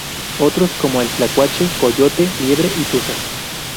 Otros como el tlacuache, coyote, liebre y tuzas.